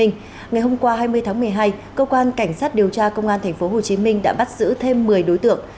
ngày hôm qua hai mươi tháng một mươi hai cơ quan cảnh sát điều tra công an tp hcm đã bắt giữ thêm một mươi đối tượng